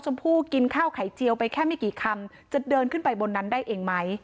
ถ่ายเจียวไปแค่ไม่กี่คำจะเดินขึ้นไปบนนั้นได้เองไหม